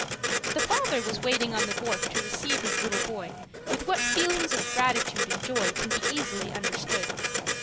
The father was waiting on the wharf to receive his little boy, with what feelings of gratitude and joy can be easily understood.